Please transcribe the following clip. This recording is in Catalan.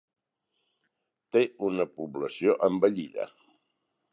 Té una població envellida.